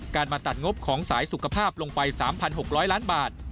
มาตัดงบของสายสุขภาพลงไป๓๖๐๐ล้านบาท